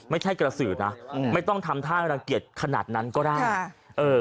ไม่ใช่กระสือนะไม่ต้องทำท่าให้รังเกียจขนาดนั้นก็ได้